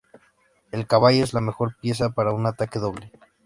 El caballo es la mejor pieza para un ataque doble.